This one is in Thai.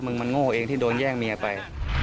มันโง่เองที่โดนแย่งเมียไป